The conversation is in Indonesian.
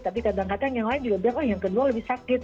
tapi kadang kadang yang lain juga bilang oh yang kedua lebih sakit